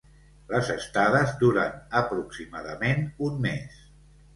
Les estades duren aproximadament un mes.